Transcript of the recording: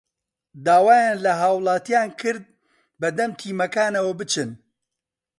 داوایان لە هاوڵاتیان کرد بەدەم تیمەکانەوە بچن